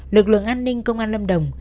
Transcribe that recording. lực lượng an ninh công an lâm đồng